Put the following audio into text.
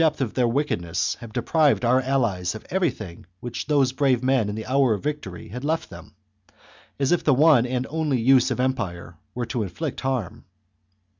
H of their wickedness have deprived our allies of every ^^f^ thing which those brave men in the hour of victory had left them, as if the one and only use of empire were to inflict harm.